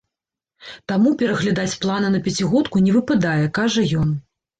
Таму пераглядаць планы на пяцігодку не выпадае, кажа ён.